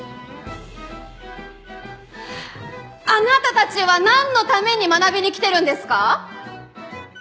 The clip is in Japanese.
あなたたちはなんのために学びに来てるんですか？